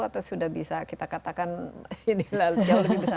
atau sudah bisa kita katakan jauh lebih besar